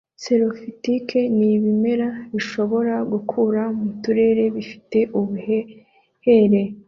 Xerofitike ni ibimera bishobora gukura mu turere bifite ubuhehere